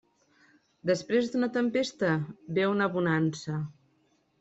Després d'una tempesta ve una bonança.